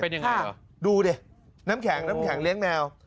เป็นยังไงเหรอดูดิน้ำแข็งน้ำแข็งเลี้ยงแมว